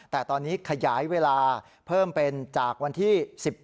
แต่ตอนนี้ขยายเวลาเพิ่มเป็นจากวันที่๑๗